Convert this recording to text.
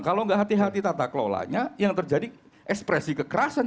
kalau nggak hati hati tata kelolanya yang terjadi ekspresi kekerasan